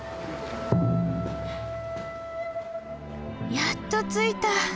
やっと着いた。